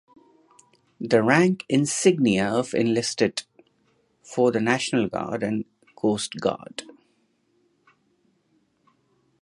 The rank insignia of enlisted for the national guard and coast guard.